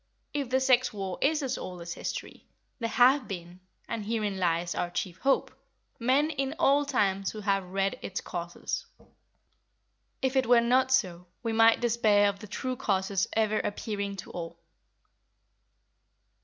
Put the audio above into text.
If the sex war is as old as history, there have been—and herein lies our chief hope—men in all times who have read its causes. If it were not so, we might despair of the true causes ever appearing to all.